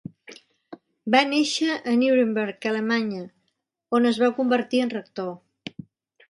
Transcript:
Va néixer a Nuremberg, Alemanya, on es va convertir en rector.